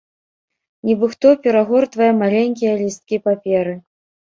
Нібы хто перагортвае маленькія лісткі паперы.